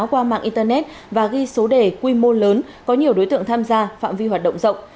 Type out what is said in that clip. qua mạng internet và ghi số đề quy mô lớn có nhiều đối tượng tham gia phạm vi hoạt động rộng